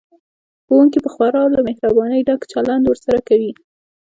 ښوونکي به خورا له مهربانۍ ډک چلند ورسره کوي